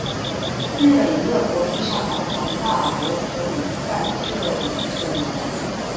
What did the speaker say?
日本一个国际上堂堂大国可以干这种事吗？